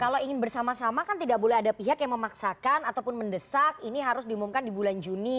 kalau ingin bersama sama kan tidak boleh ada pihak yang memaksakan ataupun mendesak ini harus diumumkan di bulan juni